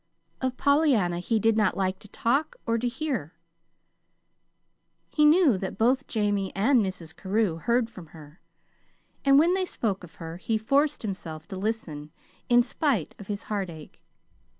Of Pollyanna he did not like to talk or to hear. He knew that both Jamie and Mrs. Carew heard from her; and when they spoke of her, he forced himself to listen, in spite of his heartache.